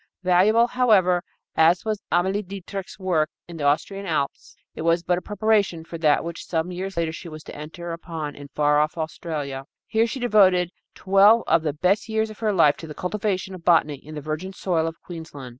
Valuable, however, as was Amalie Dietrich's work in the Austrian Alps, it was but a preparation for that which some years later she was to enter upon in far off Australia. Here she devoted twelve of the best years of her life to the cultivation of botany in the virgin soil of Queensland.